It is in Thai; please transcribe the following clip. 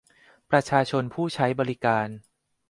ประชาชนผู้ใช้บริการ